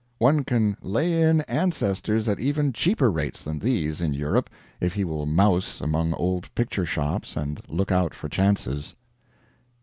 One can lay in ancestors at even cheaper rates than these, in Europe, if he will mouse among old picture shops and look out for chances.